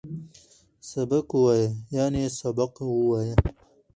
سبک وویه ، یعنی سبق ووایه